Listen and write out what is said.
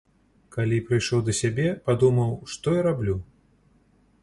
Калі прыйшоў да сябе, падумаў, што я раблю?